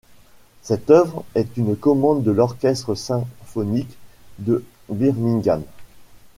Cette œuvre est une commande de l'Orchestre symphonique de Birmingham.